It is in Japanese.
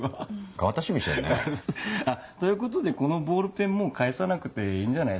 変わった趣味してるねぇ。ということでこのボールペンもう返さなくていいんじゃないすかね。